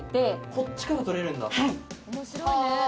こっちから撮れるんだ。